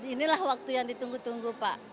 inilah waktu yang ditunggu tunggu pak